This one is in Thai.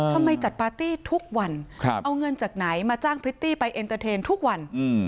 ทำไมจัดปาร์ตี้ทุกวันเอาเงินจากไหนมาจ้างพริตตี้ไปเอ็นเตอร์เทนทุกวัน